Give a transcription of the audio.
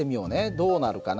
どうなるかな。